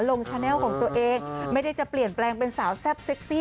ชาแนลของตัวเองไม่ได้จะเปลี่ยนแปลงเป็นสาวแซ่บเซ็กซี่